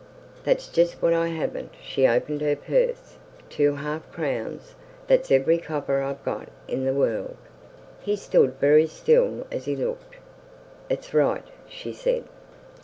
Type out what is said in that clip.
"That's just what I haven't." She opened her purse. "Two half crowns, that's every copper I've got i' th' world." He stood very still as he looked. "It's right," she said.